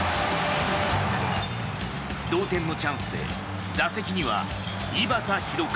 同点のチャンスで打席には井端弘和。